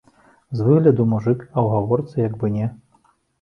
З выгляду мужык, а ў гаворцы як бы не.